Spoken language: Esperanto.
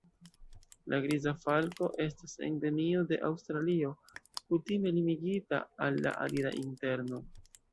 La Griza falko estas endemio de Aŭstralio, kutime limigita al la arida interno.